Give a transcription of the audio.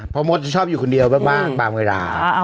เพราะมดจะชอบอยู่คนเดียวบ้างตามเวลา